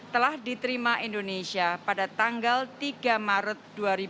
telah diterima indonesia pada tanggal tiga maret dua ribu dua puluh